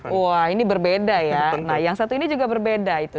wah ini berbeda ya nah yang satu ini juga berbeda itu